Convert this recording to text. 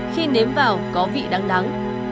khi nếm vào có vị đắng đắng